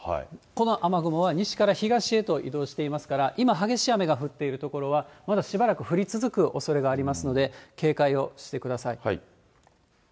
この雨雲は西から東へと移動していますから、今、激しい雨が降っている所はまだしばらく降り続けるおそれがありますので、警戒をしてください。